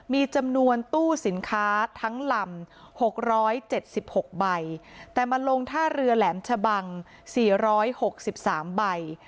มีจำนวนตู้สินค้าทั้งลำ๖๗๖ใบแต่มาลงท่าเรือแหลมชะบัง๔๖๓ใบ